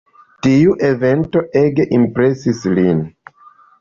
Tiu evento ege impresis lin.